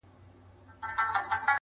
خو ملاتړ یې ځکه کوم چي -